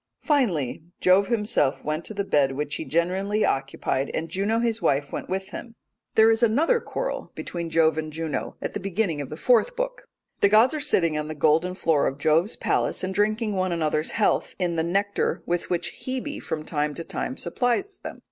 Finally Jove himself went to the bed which he generally occupied; and Jove his wife went with him. There is another quarrel between Jove and Juno at the beginning of the fourth book. The gods are sitting on the golden floor of Jove's palace and drinking one another's health in the nectar with which Hebe from time to time supplies them.